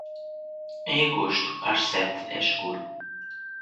Em agosto, às sete é escuro.